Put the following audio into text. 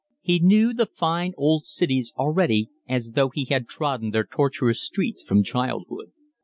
He knew the fine old cities already as though he had trodden their tortuous streets from childhood.